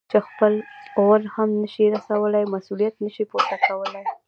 چې خپل غول هم نه شي رسولاى؛ مسؤلیت نه شي پورته کولای.